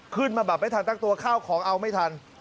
ขึ้นมาแบบไม่ทันตั้งตัวข้าวของเอาไม่ทัน